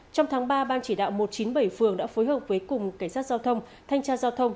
trong tháng ba ban chỉ đạo một trăm chín mươi bảy phường đã phối hợp với cùng cảnh sát giao thông thanh tra giao thông